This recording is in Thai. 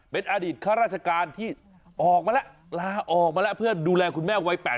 เป็นอดีตข้าราชการที่ออกมาแล้วลาออกมาแล้วเพื่อดูแลคุณแม่วัย๘๐